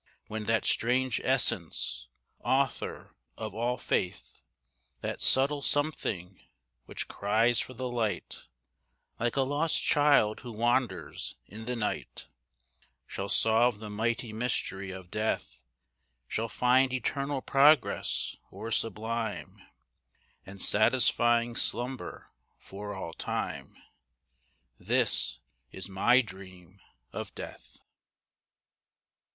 When that strange essence, author of all faith, That subtle something, which cries for the light, Like a lost child who wanders in the night, Shall solve the mighty mystery of Death, Shall find eternal progress, or sublime And satisfying slumber for all time. This is my dream of Death.